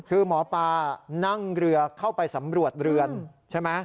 คือหมอปลานั่งเรือเข้าไปสำรวจเรือนใช่ไหม